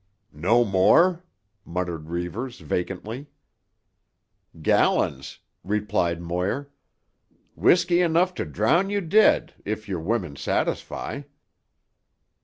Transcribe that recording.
"No more?" muttered Reivers vacantly. "Gallons!" replied Moir. "Whisky enough to drown you dead—if your women satisfy."